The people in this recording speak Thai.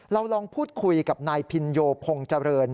เราลองพูดคุยกับนายพินโยพงษ์เจริญ